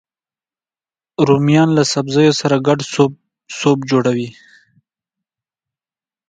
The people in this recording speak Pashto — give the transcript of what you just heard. رومیان له سبزیو سره ګډ سوپ جوړوي